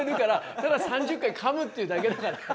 ただ３０回かむっていうだけだから。